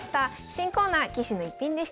新コーナー「棋士の逸品」でした。